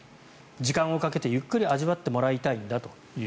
時間をかけて、ゆっくり味わってもらいたいんだと。